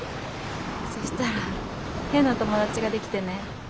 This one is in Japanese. そしたら変な友達が出来てね。